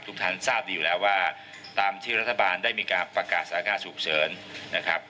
ท่านทราบดีอยู่แล้วว่าตามที่รัฐบาลได้มีการประกาศสถานการณ์ฉุกเฉินนะครับ